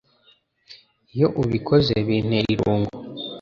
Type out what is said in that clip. Iyo ubikoze bintera irungu,